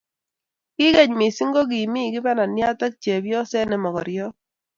Ki keny mising, kokimii kibananiat ak chepyoset ne mokoriot